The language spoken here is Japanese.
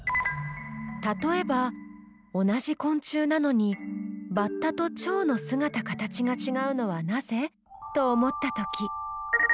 例えば「同じ昆虫なのにバッタとチョウの姿形がちがうのはなぜ？」と思ったとき。